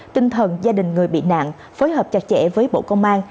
tinh thần gia đình người bị nạn phối hợp chặt chẽ với bộ công an